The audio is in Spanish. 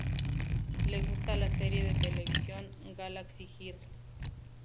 Le gusta la serie de televisión "Galaxy Girl".